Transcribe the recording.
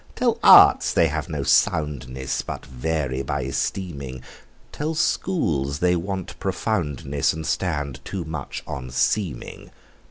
Tell arts they have no soundness, But vary by esteeming; Tell schools they want profoundness, And stand too much on seeming.